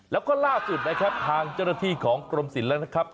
แล้วก็ล่าสุดนะครับทางเจ้าหน้าที่ของกรมศิลป์แล้วนะครับ